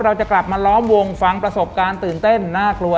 เราจะกลับมาล้อมวงฟังประสบการณ์ตื่นเต้นน่ากลัว